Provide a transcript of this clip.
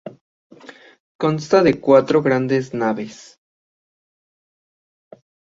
Consta de cuatro grandes naves.